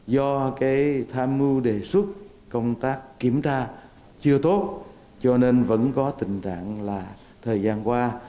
do cái tham mưu đề xuất công tác kiểm tra chưa tốt cho nên vẫn có tình trạng là thời gian qua